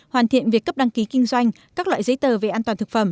hoàn thiện việc cấp đăng ký kinh doanh các loại giấy tờ về an toàn thực phẩm